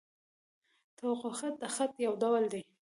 توقع خط؛ د خط یو ډول دﺉ.